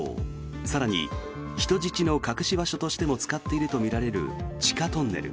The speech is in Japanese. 更に、人質の隠し場所としても使っているとみられる地下トンネル。